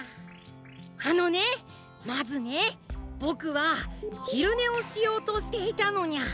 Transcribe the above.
あのねまずねボクはひるねをしようとしていたのニャ。